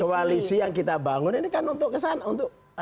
koalisi yang kita bangun ini kan untuk